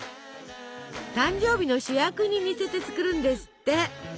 誕生日の主役に似せて作るんですって！